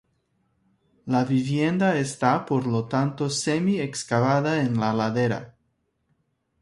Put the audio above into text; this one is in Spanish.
La vivienda esta por lo tanto semi excavada en la ladera.